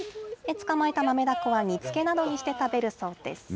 捕まえたまめだこは煮つけなどにして食べるそうです。